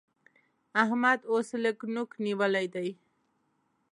احمد اوس لږ نوک نيول دی